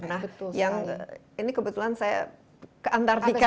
nah yang ini kebetulan saya ke antartika